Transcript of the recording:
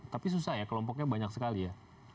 tapi susah ya kelompoknya banyak sekali ya